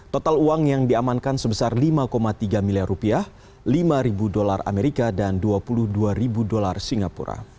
total uang yang diamankan sebesar lima tiga miliar rupiah lima dolar amerika dan dua puluh dua ribu dolar singapura